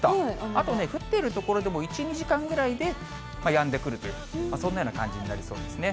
あとね、降っている所でも１、２時間ぐらいでやんでくるという、そんなような感じになりそうですね。